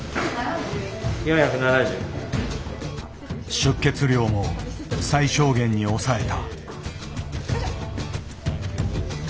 出血量も最小限に抑えた。